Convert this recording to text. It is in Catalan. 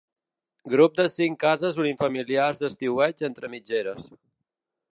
Grup de cinc cases unifamiliars d'estiueig entre mitgeres.